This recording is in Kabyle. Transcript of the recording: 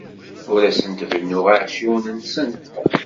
Ur asent-bennuɣ iɛecciwen-nsent.